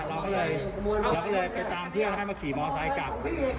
เราก็เลยไปตามที่เราให้มาขี่มอสไซค์กลับ